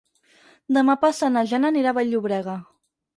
Demà passat na Jana anirà a Vall-llobrega.